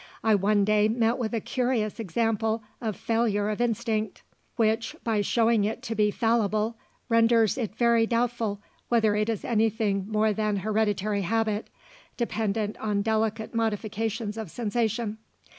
I one day met with a curious example of failure of instinct, which, by showing it to be fallible, renders it very doubtful whether it is anything more than hereditary habit, dependent on delicate modifications of sensation.